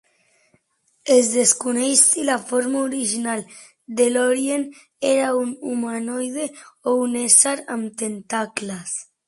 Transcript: Es desconeix si la forma original de Lorien era un humanoide o un ésser amb tentacles.